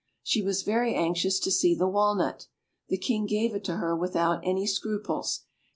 She was very anxious to see the walnut: the King gave it to her without any scruples.